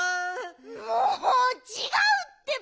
もうちがうってば！